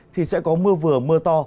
thì sẽ có mưa vừa mưa to